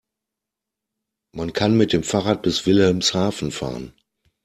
Man kann mit dem Fahrrad bis Wilhelmshaven fahren